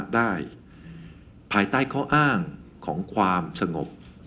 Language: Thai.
ภายใต้ข้ออ้างของความสงบ